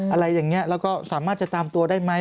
อะไรอย่างนี้แล้วก็สามารถจะตามตัวได้ไหม